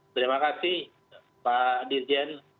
terima kasih pak dirjen